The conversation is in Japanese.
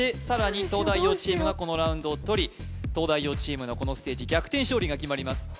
さらに東大王チームがこのラウンドをとり東大王チームがこのステージ逆転勝利が決まります